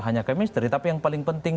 hanya kemisteri tapi yang paling penting